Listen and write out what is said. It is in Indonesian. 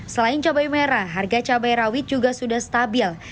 selain cabai merah harga cabai rawit juga sudah stabil